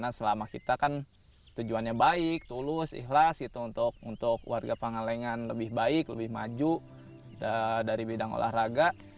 karena selama kita kan tujuannya baik tulus ikhlas untuk warga pangalengan lebih baik lebih maju dari bidang olahraga